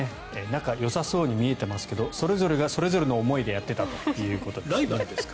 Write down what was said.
仲よさそうに見えてますけどそれぞれがそれぞれの思いでやっていたということです。